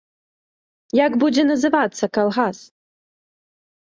Як будзе называцца калгас?